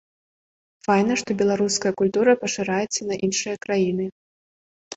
Файна, што беларуская культура пашыраецца на іншыя краіны.